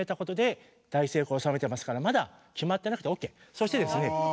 そしてですね